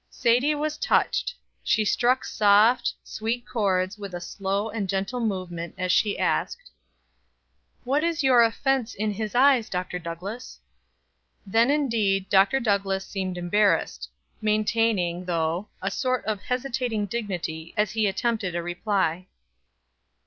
Sadie was touched; she struck soft, sweet chords with a slow and gentle movement as she asked: "What is your offense in his eyes, Dr. Douglass?" Then, indeed, Dr. Douglass seemed embarrassed; maintaining, though, a sort of hesitating dignity as he attempted a reply.